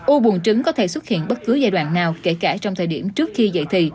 ô buồn trứng có thể xuất hiện bất cứ giai đoạn nào kể cả trong thời điểm trước khi dạy thì